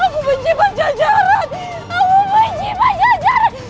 aku benci pancajaran aku benci pancajaran